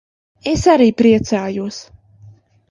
Es arī priecājos.